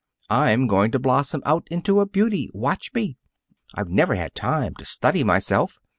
I'm going to blossom out into a beauty. Watch me! I've never had time to study myself.